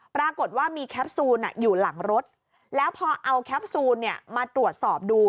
ปรากฏว่ามีแคปซูลอยู่หลังรถแล้วพอเอาแคปซูลมาตรวจสอบดู